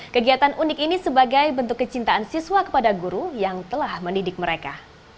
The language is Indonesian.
kegiatan unik ini sebagai bentuk kecintaan siswa kepada guru yang telah mendidik mereka